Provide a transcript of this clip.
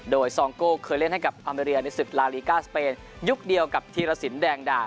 โดยซองโก้เคยเล่นให้กับอเมรียในศึกลาลีก้าสเปนยุคเดียวกับธีรสินแดงดา